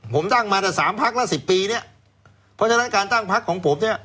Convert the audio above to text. ผมตั้งมาแต่สามพักละสิบปีเนี่ยเพราะฉะนั้นการตั้งพักของผมเนี่ย